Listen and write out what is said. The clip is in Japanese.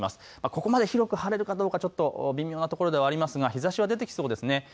ここまで広く晴れるかどうか微妙なところではありますが日ざしは出てきそうです。